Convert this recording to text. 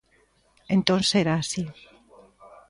Entón será así.